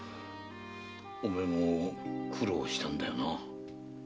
おめえも苦労したんだな。